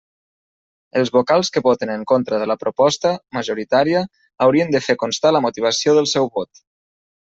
Els vocals que voten en contra de la proposta majoritària haurien de fer constar la motivació del seu vot.